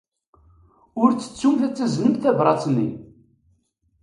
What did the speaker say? Ur ttettumt ad taznemt tabṛat-nni.